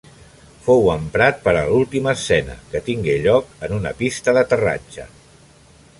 Fou emprat per a l'última escena, que tingué lloc en una pista d'aterratge.